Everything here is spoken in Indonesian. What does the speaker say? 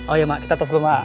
oh iya mak kita atas dulu mak